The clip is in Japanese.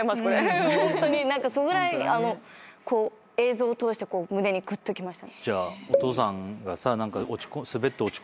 ホントにそれぐらい映像を通して胸にぐっときました。